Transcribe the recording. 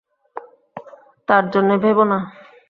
তাঁর জন্যে ভেবো না।